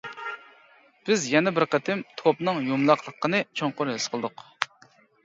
بىز يەنە بىر قېتىم توپنىڭ يۇمىلاقلىقىنى چوڭقۇر ھېس قىلدۇق.